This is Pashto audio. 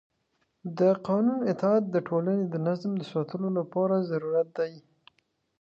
د قانون اطاعت د ټولنې د نظم د ساتلو لپاره ضروري دی